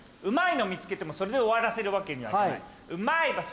うまいの見つけてもそれで終わらせるわけにはいかない。